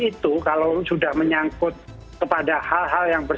kenapa ya pernah menerima informasi yang terjadi sebelum ini deze